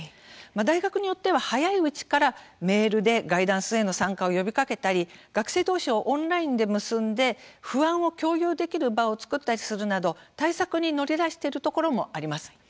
大学によっては、早いうちからメールでガイダンスへの参加を呼びかけたり、学生どうしをオンラインで結んで不安を共有できる場を作ったりするなど対策に乗り出しているところもあります。